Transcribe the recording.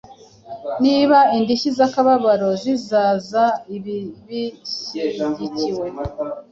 Niba indishyi zakababaro zizaza Ibi bishyigikiwe